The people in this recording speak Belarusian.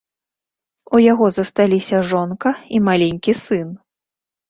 У яго засталіся жонка і маленькі сын.